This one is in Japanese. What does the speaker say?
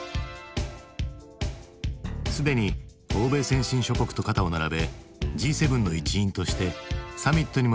すでに欧米先進諸国と肩を並べＧ７の一員としてサミットにも唯一アジアから参加。